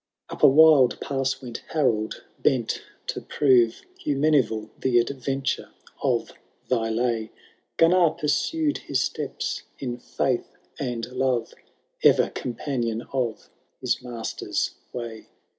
11. Up a wild pass went Harold, bent to prove, Hugh Meneville, the adventure of thy lay ; Gunnar pursued his steps in fidth and love, Ever companion of his master^s way.